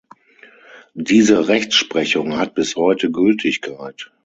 Diese Rechtsprechung hat bis heute Gültigkeit.